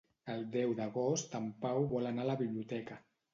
El deu d'agost en Pau vol anar a la biblioteca.